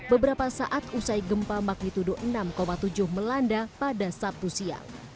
beberapa saat usai gempa magnitudo enam tujuh melanda pada sabtu siang